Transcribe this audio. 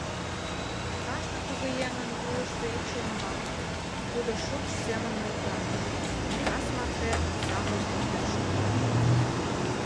Кажне кугыеҥын вуйышто ик шонымаш, кудо шукш семын нулта: кас марте оксам вашталтен шукташ.